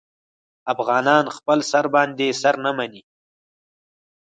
افغانان خپل سر باندې سر نه مني.